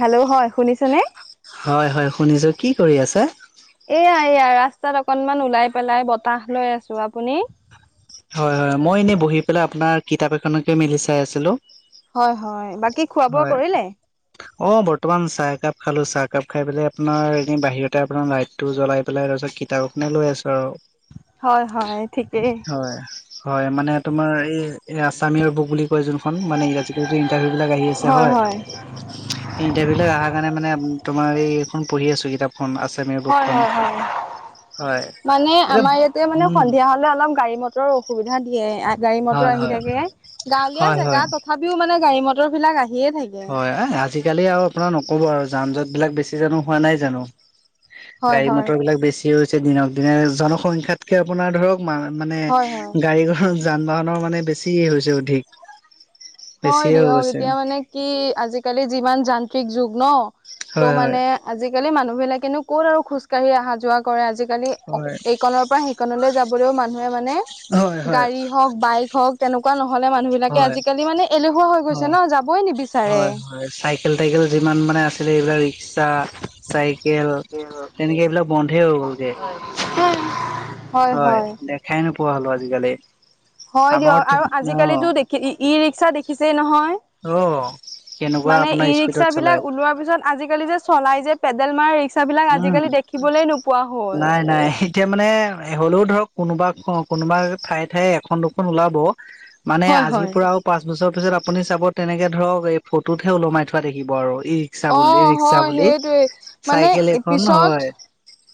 Hello হয় শুনিছে নে? হয় হয় শুনিছো, কি কৰি আছা? এয়া এয়া ৰাস্তাত অকনমান ওলাই পেলাই বতাহ লৈ আছো আপুনি? হয় হয় মই এনে বহি পেলাই আপোনাৰ কিতাপ এখনকে মিলি চাই আছিলোঁ। 'হয়'-'হয়' বাকী খোৱা বোৱা কৰিলে? অ বৰ্তমান চাহকাপ খালো, চাহকাপ খাই পেলাই আপোনাৰ এনে বাহিৰতে আপোনাৰ লাই টো জ্বলাই পেলাই তাৰপিছত কিতাপ‌এখনে লৈ আছো আৰু। হয় হয় ঠিকেই হয়, হয় মানে তোমাৰ এই এ আছাম ইয়েৰ বুক বুলি কয় যোন মা-মানে আজিকালি ইন্টাৰভিউ বিলাক আহি আছে হয় ইন্টাৰভিউ বিলাক অহাৰ কাৰণে মানে তোমাৰ এইখন পঢ়ি আছো কিতাপ খন আছাম ইয়েৰ হয় বুকখন, হয় হয়। হয় মানে এতিয়া আমাৰ ইয়াতে উম' সন্ধিয়া হলে মানে অলপ গাড়ী মটৰৰ অসুবিধা দিয়ে, গাড়ী মটৰ হয় আহি হয় থাকে গাঁৱলীয়া হয় হয় জেগাত। তথাপিও মানে গাড়ী মটৰবিলাক আহিয়ে থাকে। হয় আজিকালি আৰু আপোনাৰ নকব আৰু যান জঁট বিলাক বেছি জানো হোৱা নাই জানো হয় গাড়ী হয়। মটৰ বিলাক বেছিও হৈছে দিনক দিনে জনসংখ্যাতকে আপোনাৰ ধৰক মানে হয় হয়। গাড়ী [unintelligible] যান বাহনৰ মানে বেছি হৈছে অধিক। হয় বেছিয়ে হৈ দিয়ক গৈছে এতিয়া মানে কি আজিকালি যিমান যান্ত্ৰিক যুগ ন, ত' হয় মানে আজিকালি মানুহ বিলাকেনো ক'ত আৰু খোজ কঢ়ি অহা যোৱা কৰে, আজিকালি অ হয়। এইকনৰ পৰা [unintelligible] যাব মানুহে মানে হয় হয় হয় গাড়ী হওক, বাইক হওক তেনেকুৱা নহলে মানুহ বিলাকে হয় আজিকালি মানে এলেহুৱা হৈ গৈছে হয় ন' যাবই নিবিচাৰে হয় হয় চাইকেল টাইকেল যিমান মানে আছিলে এইবিলাক ৰিক্সা চাইকেল তেনেকৈ এইবিলাক বন্ধই হৈ গ'লগৈ। [unintelligible] হয় দেখাই নোপোৱা হ'লো আজিকালি হয় আমাৰ দিয়ক আৰু অ আজিকালিটো দেখি ই-ই ৰিক্সা দেখিছেই নহয়? অ কেনেকুৱা মানে আপোনাৰ ই স্পীডত ৰিক্সা চলাই বিলাক ওলোৱাৰ পিছত আজিকালি যে চলাই যে পেডেল মাৰা ৰিক্সাাবলাক আজিকালি দেখিবলে নোপোৱা হ'ল। এনাই এতিয়া মানে হ'লেও ধৰক কোনোবা, কোনোবা ঠায়ে ঠায়ে এখন দুখন ওলাব। মানে হয় আজিৰ হয় পৰাও পাঁচ বছৰৰ পিছত আপুনি চাব, তেনেকে ধৰক এই ফটোতহে ওলমাই থোৱা থাকিব আৰু ই চা বুলি অ', ৰিক্সা হয় বুলি সেইটোৱে মানে চাইকেল এখন পিছত হয়,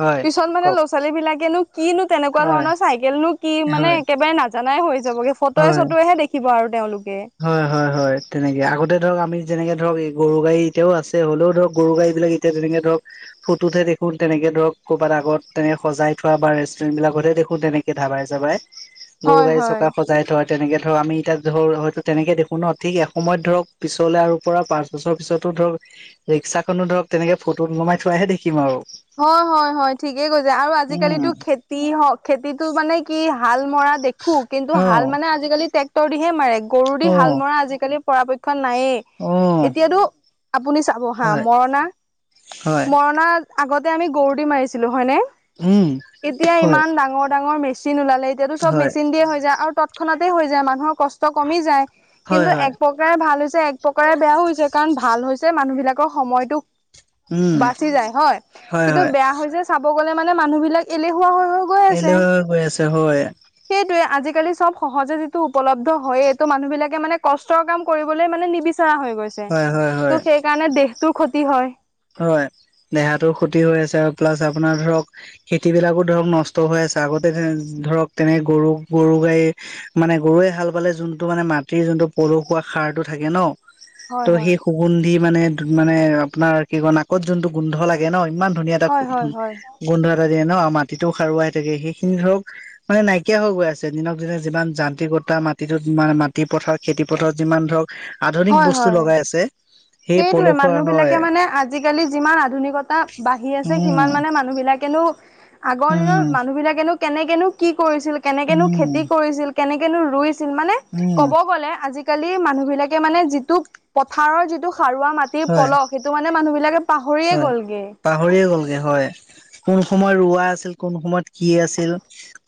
হয় পিছত মানে কওক ল'ৰা-ছোৱালী বিলাকেনো কি নো তেনেকুৱা হয় ধৰণৰ চাইকেল নো কি মানে হয় একেবাৰে না জানাই হৈ যাবগে ফটোয়ে চটোয়েহে দেখিব আৰু তেওঁলোকে হয়-হয়-হয় তেনেকৈ আগতে ধৰক আমি যেনেকৈ ধৰক এই গৰু গাড়ী এতিয়াও আছে হ'লেও ধৰক গৰু গাড়ীবিলাক এ [unintelligible] যেনেকে ধৰক ফটোতহে দেখো তেনেকে ধৰক ক'ৰবাত আগত তেনে সজাই থোৱা বা ৰেষ্টুৰেণ্ট বিলাকতহে দেখোন তেনেকে ধাবাই যাবাই। গৰু হয়, গাড়ী হয়। চকা সজাই থোৱা, তেনেকে ধৰক আমি এতিয়া ধৰ হয়তো তেনেকে দেখো ন ঠিক এসময়ত ধৰক পিছলে আৰু পৰা পাঁচ বছৰ পিছতো ধৰক ৰিক্সাখনো ধৰক তেনেকে ফটোত ওলমাই থোৱাইাহে দেখিম আৰু হয় হয় হয় ঠিকেই কৈছে, আৰু উম আজিকালিতো খে যিহক খেতিতটো মানে কি হাল মৰা দেখ ঠো কিন্তু অ হাল মানে আজিকালি ট্ৰেক্টৰ দিহে মাৰে গৰু দি অ হাল মৰা আজিকালি পৰাপক্ষত নায়েই অ এতিয়াতো আপুনি চাব হা, হয় মৰণা, হয় মৰণা আগতে আমি গৰু দি মাৰিছিলো হয় নে? উম এতিয়া হয় ইমান ডাঙৰ-ডাঙৰ মেচ মেচিন ওলালে এতিয়াতো চব হয় মেচিন দিয়ে হৈ যায়, আৰু তৎক্ষণাতেই হৈ যায় মানুহৰ কষ্ট কমি যায়। হয় কিন্তু হয় এক প্ৰক প্ৰকাৰে ভাল হৈছে এক প্ৰকাৰে বেয়াও হৈছে কাৰণ ভাল হৈছে মানুহ বিলাকৰ সময়তো উম বাচি যায় হয়, কিন্তু বেয়া হয় যে চাব গ'লে মানে মানুহ বিলাক এলেহুৱা হৈ-হৈ হেল্ল গৈ আছে হয় সেইটোয়ে, আজিকালি চব সহজে যিটো উপলব্ধ হয়ে ত' মানুহ বিলাকে মানে কষ্টৰ কাম কৰিবলৈ মানে নিবিচ চৰা হৈ গৈছে হয় হয় হয় ত' সেইকাৰণে দেহটোৰ ক্ষতি হয় হয় দেহাটো ক্ষতি হৈ আছে আৰু প্লাছ আপোনাৰ ধৰক খেতিবিলাকো ধৰক নষ্ট হৈ আছে আগতে ধৰক তেনে গৰু, গৰু গাড়ী মানে গৰুৱে হাল বালে যোনটো মানে মাটিৰ যোনটো পলসুৱা সাৰটো থাকে ন' ত' হয় হয় সেই সুগুন্ধি মানে-ধু মানে আপোনাৰ কি কয় নাকত যোনটো গোন্ধ লাগে ন ইমান ধুনীয়া এটা হয় হয় হয় গোন্ধ এটা দিয়ে ন' মাটিটো সাৰুৱা হৈ থাকে সেইখিনি ধৰক মানে নাইকিয়া হৈ গৈ আছে দিনক দিনে যিমান যান্ত্ৰিকতা মাটিটো মা-মাটি পথাৰত খেতি পথাৰত যিমান ধৰক আধুনিক বস্তু লগাই আছে সেই সেইটোয়ে পলসুৱা মানুহ হয় বিলাকে মানে আজি আজিকালি যিমান আধুনিকতা বাঢ়ি আছে, উম সিমান মানে মানুহবিলাকেনো আগৰ উম, দিনত মানুহ বিলাকেনো কেনেকেনো কি কৰিছিল কেনেকেনো খেতি উম, কৰিছিল কেনেকেনো ৰুইছিল মানে উম, ক'ব গ'লে আজি কালি মানুহ বিলাকে মানে যিটো পথাৰৰ যিটো সাৰুৱা মাটিৰ হয়, পলহ সেইটো মানে মানুহ বিলাকে পাহৰিয়ে হয়। গ'লগে পাহৰিয়ে গ'লগে হয় কোন সময়ত ৰোৱা আছিল কোন সময়ত কি আছিল,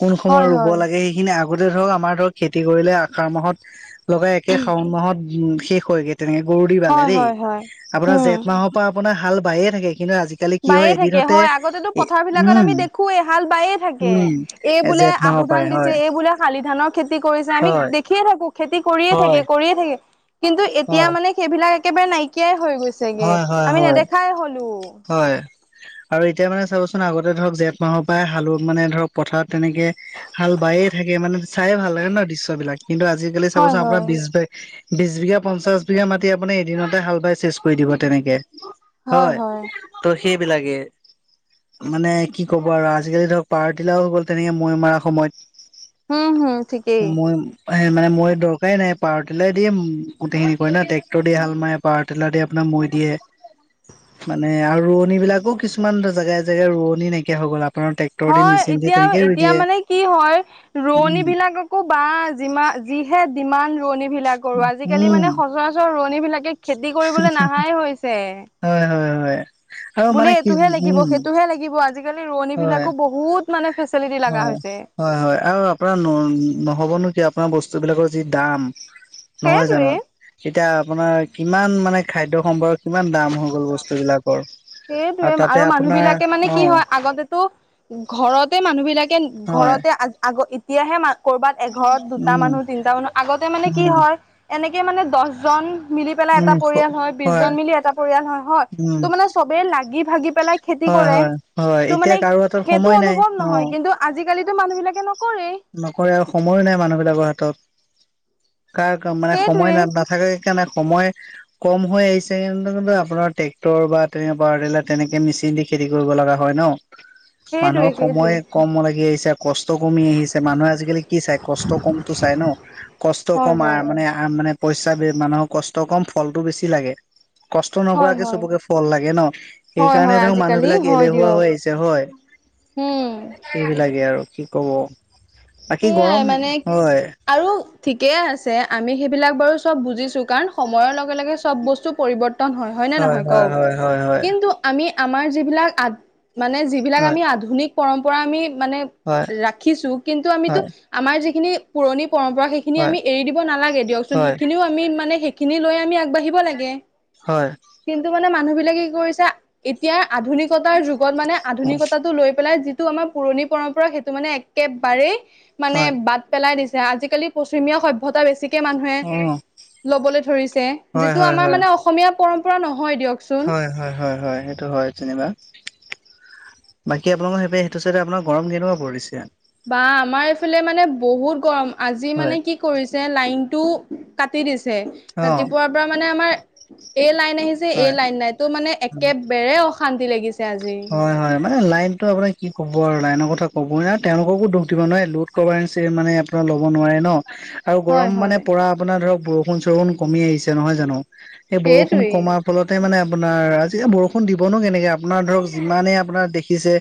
কোন সময় হয় ৰুব হয় লাগে সেইখিনি আগ আগতে ধৰক আমাৰ ধৰক খেতি কৰিলে আহাৰ মাহত লগাই একে শাওন মাহত উ শেষ হৈ গে। তেনেকে গৰু দি বালে হয় দেই হয় হয়। আপোনাৰ উম। জেঠ মাহৰ পৰা আপোনাৰ হাল বায়ে থাকে কিন্তু আজিকালি কালি কি হয় বায়ে এদিনতে এ উম, কোঁ এহাল বায়ে থাকে উম, এই বোলে জেঠ মাহৰ আহুধান পৰাই দিছে হয়, এই বোলে শালি ধানৰ খেতি কৰিছে আমি হয়, দেখিয়ে থাকো খেতি কৰিয়ে থাকে হয়, কৰিয়ে থাকে কিন্তু এতিয়া হয়, মানে সেইবিলাক একেবাৰে নাইকিয়াই হৈ গৈছেগে, হয়, হয়, আমি হয়, নেদেখাই হলো। হয়, আৰু এতিয়া মানে চাবচোন আগতে ধৰক জেঠ মাহৰ পৰা হাল মানে ধৰক পথাৰত তেনেকে হাল বায়ে থাকে মানে চায়ে ভাল লাগে ন দৃশ্যবিলাক কিন্তু আজিকালি হয় চাবচোন হয় আপোনাৰ বিশ বিছ বিঘা, পঞ্চাশ বিঘা, মাটি আপুনি এদিনতে হাল বাই চেচ কৰি দিব তেনেকে হয়। ত' সেইবিলাকে মানে কি ক'ব আৰু আজিকালি ধৰক পাৱাৰ টিলাও হৈ গ'ল তেনেকে মৈ মাৰ হম হম ঠিকেই সময়ত মই এ মানে মই দৰকাৰেই নাই, পাৱাৰ টিলাৰ দিয়ে গোটেইখিনি কৰে ন ট্ৰেক্টৰ দি হাল পাৱাৰ টিলাৰ দি আপোনাৰ মৈ দিয়ে। মানে আৰু ৰোৱনী বিলাকোও কিছুমান জেগাই জেগাই ৰোৱনী নাইকিয়া হৈ গ'ল আপোনাৰ টেক হয় এতিয়া আৰু এতিয়া মানে কি হয় ৰোৱনী উম বিলাকক ও বা যিমা যিহে ডিমান ৰোৱনী বিলাকৰো আজিকালি উম মানে সচৰাচৰ ৰোৱনী বিলাকে খেতি কৰিবলৈ নাহাই হৈছে। হয় হয় হয় আৰু বোলে মানে কি এইটোহে লাগিব উম সেইটোহে লাগিব, আজিকালি ৰোৱনী হয় বিলাকো বহুত মানে ফেচিলিটি লাগা হৈছে হযঁ হয়ঁ আৰু আপোনাৰ ন-নহ'বনো কিয় আপোনাৰ বস্তু বিলাকৰ যি দাম। নহয় জানো, সেইটোৱে এতিয়া আপোনাৰ কিমান মানে খাদ্য সম্ভাৰৰ কিমান দাম। হৈ গ'ল বস্তু বিলাকৰ সেইটোৱে, তাতে আৰু মানুহ আপোনাৰ বিলাকে মানে অ কি হয় আগতেতো,,,, ঘৰতে মানুহ বিলাকে হয় ঘৰতে আ আগ এতিয়াহে মানুহে কৰবাত এঘৰত দুটা উম মানুহ তিনটা মানুহ আগতে মানে কি উম হয় এনেকে মানে দহজন,,, মিলি পেলাই উম এটা পৰিয়াল হয়, বিছজন মিলি পেলাই এটা,,,,, হয়ঁ হয়ঁ উম ত' মানে চবেই লাগি ভাগি পেলাই খেতি হয় কৰে হয় হয় ত' মানে,,, এতিয়া কাৰো হাতত সেইটো সময় নাই অনুভৱ অ নহয় কিন্তু আজিকালিতো মানুহ বিলাকে নকৰেই। নকৰে আৰু সময়ো নাই মানুহবিলাকৰ হাতত। কাৰ মানে সময় সেইটোৱে ন নাথাকে সেইকাৰণে সময়, কম হৈ আহিছে ত না না কিন্তু আপোনাৰ ট্ৰেক্টৰ বা তেনে পাৱাৰ টিলাৰ তেনেকে মেচিন দি খেতি কৰিব লগা হয় ন। সেইটোৱে মানুহৰ সময় সেইটোৱে কম লাগি আহিছে কষ্ট কমি আহিছে। মানুহে আজিকালি কি চাই কষ্ট কমটো চাই ন কষ্ট হয় কম হয় মানে মানে পইচা মানুহৰ কষ্ট কম ফলটো বেছি লাগে। কষ্ট হয় নকৰাকে হয় চবকে ফল লাগে ন। হয় হয় সেইকাৰণে ধৰক মানুহ আজিকালি বিলাক এলেহুৱা হৈ আহিছে হয়। উমঁ! সেইবিলাকে আৰু কি ক'ব। বাকী সেইয়াই গৰম মানে,,, হয়। আৰু ঠিকেই আছে আমি সেইবিলাক চব বুজিছো কাৰণ সময়ৰ লগে লগে চব বস্তু,,,, পৰিৱৰ্তন হয় হয়নেে নহয় হয় কওক হয় হয় হয় কিন্তু! আমি আমাৰ যিবিলাক আ মানে যিবিলাক আমি আধুনিক পৰম্পৰা আমি মানে হয় ৰাখিছো কিন্তু আমিতো হয় আমাৰ যিখিনি পুৰণি পৰম্পৰা সেইখিনি সিখিনি হয় আমি এৰি দিব নালাগে দিয়কচোন সেই হয় হয় খিনিও মানে সেইখিনি লৈ আগবাঢ়ি,, থাকিব লাগে হয় কিন্তু মানে মানুহ বিলাকে কি কৰিছা এতিয়া আধুনিকতাৰ যুগত মানে আধুনিকতাটো লৈ পেলাই,,, টো আমাৰ পুৰণি পৰম্পৰা সেইটো মানে একেবাৰেই মানে হয় বাদ,, পেলাই দিছে আজিকালি পশ্চিমীয়া সভ্যতা বেছিকৈ বেছিকৈ মানুহে উম লবলৈ ধৰিছে হয় যিটো হয় আমাৰ মানে অসমীয়া পৰম্পৰা নহয় দিয়ক। হয়ঁ হয়ঁ হয়ঁ হয়ঁ সেইটো হয়ঁ। যেনিবা বাকী আপোনালোকৰ সেইব সেইটো চাইতে আপোনাৰ গৰম কেনেকুৱা পৰিচে? বা আমাৰ এইফালে মানে বহুত গৰম আজি হয় মানে কি? কৰিছে লাইন টো কাটি দিছে অ ৰাতিপুৱাৰ পৰা পৰা মানে আমাৰ এই লাইন আহিছে এই হয় লাইন নাই তো মানে একেবৰে অহা,, শান্তি লাগিছে আজি। হয়ঁ হয়ঁ মানে লাইনটো আপোনাৰ কি ক'ব আৰু লাইনৰ কথা ক'বই ন তেওঁলোককো দুখ দিব নোৱাৰে লোড,,, ক'বই নাচে মানে আপোনাৰ ল'ব নোৱাৰে ন। আৰু গৰম হয় মানে হয় পৰা আপোনাৰ ধৰক বৰষুণ চৰষুণ কমি আহিছে নহয় জানো সেই বৰষুণ সেইটোৱেই কমা,,, ফলতে মানে আপোনাৰ আজিকা বৰষুণ দিবনো কেনেকৈ আপোনাৰ ধৰক যিমানেই আপোনাৰ দেখিছে।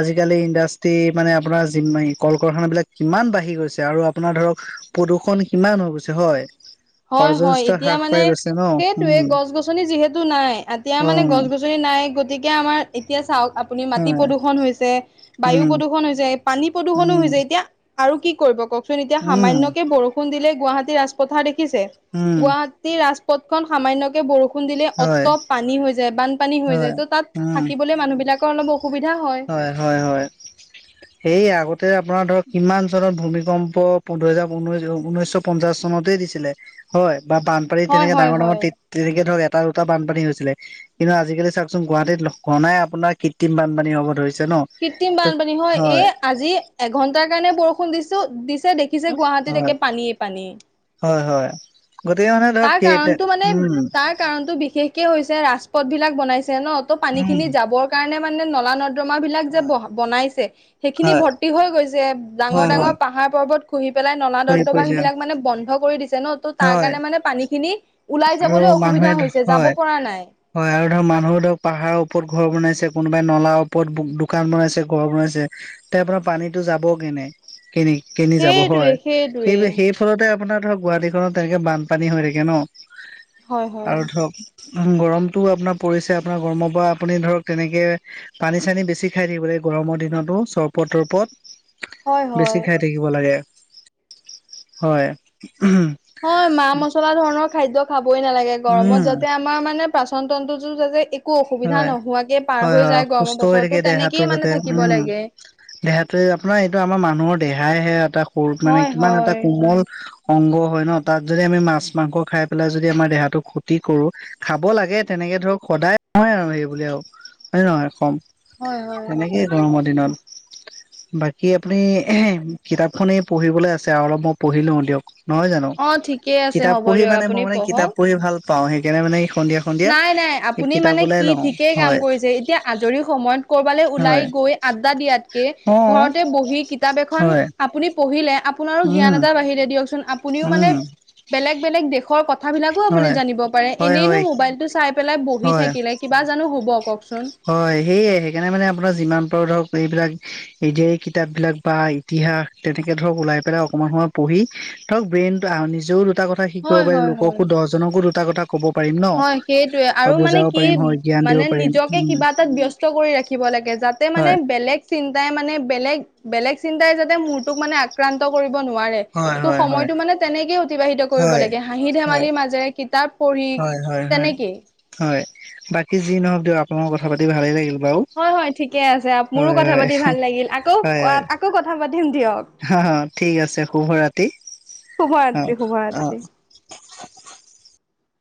আজিকালি ইণ্ডাষ্ট্ৰি মানে আপোনাৰি কল কাৰখানাবিলাক কিমান বাঢ়ি গৈছে আৰু আপোনাৰ ধৰক,,, প্ৰদূষণ হিমান হৈ গৈছে হয়। হয়ঁ অৰ্জন হয়ঁ স্তৰ এতিয়া হ্ৰাস মানে পাই গৈছে ন সেইটোয়ে উম গছ গছনি যিহেতু নাই এতিয়া অ মানে গছ গছনি। যদি নাই গতিকে আমাৰ এতিয়া চাওঁক আপ, আপুনি মাটি হয় প্ৰদূষণ হৈছে বায়ু উম প্ৰদূষণ হৈছে পানী প্ৰদূষনো উম হৈছে এতিয়া আৰু কি কৰিব কওকচোন এতিয়া উম সামান্যকে বৰষুণ দিলে গুৱাহাটী ৰাজপথাৰ দেখিছে উম গুৱাহ,,, সেই ৰাজপথ খন সামান্যকে বৰষু ষুণ দিলে অত হয় তত পানী হৈ যায় বানপানী হৈ হয় যায় ত' তাত উম থাকিবলৈ মানুহবিলাকৰ অলপ অসুবিধা হয় হয় হয় হয় এই আগতে আপোনাৰ ধৰক কিমান চনত ভূমিকম্প পোন্ধৰহেজাৰ পোন্ধৰ ঊনৈশ পঞ্চাশ চনতেই দিছিলে হয় বা বানপানী হয় তেনেকৈ হয় ডাঙৰ ডাঙৰ হয় তে তেনেকে ধৰক এটা দুটা বানপানী হৈছিলে কিন্তু আজিকালি চাওকচোন গুৱাহাটীত ঘনাই আপোনাৰ কৃত্ৰিম বানপানী হ'ব ধৰিছে ন কৃত্ৰিম ত বানপানী হয় এই আজি এঘন্টাৰ কাৰণে বৰষুণ দিছো দি তে দেখিছে গুৱাহাটীত হয় একে পানীয়ে পানী হয় হয় গতিকে মানে ধৰক সেইতে উম কাৰণতো বিশেষকে হৈছে ৰাজপথ বিলাক বনাইছে ন ত উম পানীখিনি যাবৰ কাৰণে মানে নলা ন ৰ্দমা বিলাক যে ব বনাইছে সেইখিনি হয় ভৰ্তি হৈ গৈছে ডাঙৰ হয় ডাঙৰ হয় পাহাৰ পৰ্বত পুহি পেলাই নলা হৈ নৰ্দমাৰ পৰিছে বিলাক মানে বন্ধ কৰি দিছে ন চ তাৰ হয় কাৰণে মানে পানীখিনি ওলাই আৰু যাবলৈ অসুবিধা মানুহে হৈছে যাব হয় পৰা নাই হয় আৰু ধৰক মানুহ ধৰক পাহাৰৰ ওপৰত ঘৰ বনাইছে কোনোবাই নলাৰ ওপৰত দোকান বনাইছে ঘৰ বনাইছে ত আপোনাৰ পানীটো যাব কেনে কেনি কেনি যাব সেইটোৱে হয় সেইটোৱে। সেইফালতে আপোনাৰ ধৰক গুৱাটীখনত তেনেকে বানপানী হৈ থাকে ন হয় হয় আৰু ধৰক উ গৰমতো আপোনাৰ পৰিছে আপোনাৰ গৰমৰ পৰা আপুনি ধৰক তেনেকে পানী চানী বেছি খাই থাকিব লাগে গৰমৰ দিনতো চৰবত তৰবত হয় বেছি হয় খাই থাকিব লাগে হয় উম হয় মা মছলা ধৰণৰ খাদ্য খাবই নালাগে গৰমত উম যাতে আমাৰ মানে পাচনতন্ত্ৰটো যাতে এই একো হয় অসুবিধা হয় নোহোৱাকে পাৰ হয় হৈ যায় সুস্থ গৰমৰ হৈ থাকে বছৰতো তেনেকেই যাতে মানে থাকিব উম লাগে দেহাটো আপোনাৰ এইটো আমাৰ মানুহৰ দেহাইহে এটা সৰু মানে হয় কিমান এটা হয় কোমল অংগ হয় ন তাত যদি আমি মাছ মাংস খাই পেলাই যদি আমাৰ দেহাটো ক্ষতি কৰো খাব লাগে তেনেকে ধৰক সদায় নহয় আৰু সে বুলিয়ে আৰু হয় নহয় কম হয় হয় তেনেকেই গৰমৰ দিনত বাকী আপুনি কিতাপ খনেই পঢ়িবলৈ আছে আৰু অলপ মই পঢ়ি লও দিয়ক নহয় জানো অ ঠিকেই আছে কিতাপ হ'ব পঢ়ি দিয়ক মানে মই আপুনি মানে পঢ়ক। কিতাপ পঢ়ি ভাল পাওঁ সেইকাৰণে মানে এই সন্ধিয়া নাই নাই আপুনি কিতাপ মানে ওলাই কি লওঁ ঠিকেই কাম হয় কৰিছে এতিয়া আজৰি সময়ত কৰবালৈ ওলাই হয় গৈ আড্ডা দিয়াতকে অ ঘৰতে বহি কিতাপ এখন হয় আপুনি পঢ়িলে আপোনাৰো জ্ঞান উম এটা বাঢ়িলে দিয়কচোন আপুনিও মানে উম বেলেগ বেলেগ দেশৰ ক কথাবিলাকো আপুনি হয় জানিব পাৰে হয় এনেইনো হয় মোবাইলটো চাই পেলাই বহি হয় থাকিলে কিবা জানো হ'ব কওক চোন হয় সেয়ে সেইকাৰণে মানে আপোনাৰ যিমান পাৰো ধৰক এইবিলাক এ যে এই কিতাপ বিলাক বা ইতিহাস তেনেকে ধৰক ওলাই পেলাই অকনমান সময় পঢ়ি ধক ব্ৰেইনটো আহ নিজেও দুটা কথা শিকিব হয় পাৰি হয় হয় লোককো দহজনকো দুটা কথা ক'ব পাৰিম ন হয় সেইটোয়ে বা আৰু মানে বুজাব কি পাৰিম হয় জ্ঞান দিব মানে পাৰিম নিজকে উম কিবা এটাত ব্যস্ত কৰি ৰাখিব লাগে যাতে মানে হয় বেলেগ চিন্তাই মানে বেলেগ বেলেগ চিন্তাই যাতে মূৰটোক মানে আক্ৰান্ত কৰিব নোৱাৰে হয় ত' হয় হয় সময়তো মানে তেনেকেই অতিবাহিত কৰিব হয় লাগে হাঁহি হয় ধেমালিৰ মাজেৰে কিতাপ পঢ়ি হয় হয় তেনেকেই হয় বাকি যি নহওক দিয়ক আপোনালোকৰ কথা পাতি ভালে লাগিল বাৰু হয় হয় ঠিকে আছে মোৰো হয় কথা হয় পাতি ভাল লাগিল আকৌ আকৌ কথা পাতিম দিয়ক হা হা ঠিক আছে শুভ ৰাতি অ শুভৰাত্ৰি অ শুভৰাত্ৰি